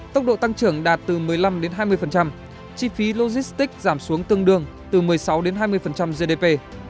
tốc độ tăng trưởng đạt từ một mươi năm hai mươi chi phí logistics giảm xuống tương đương từ một mươi sáu đến hai mươi gdp